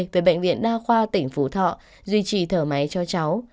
về bệnh viện đa khoa tỉnh phú thọ duy trì thở máy cho cháu